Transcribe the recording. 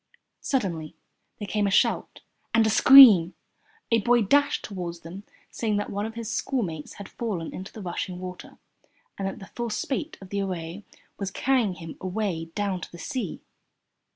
Suddenly there came a shout and a scream. A boy dashed toward them saying that one of his schoolmates had fallen into the rushing water, and that the full spate of the Aray was carrying him away down to the sea.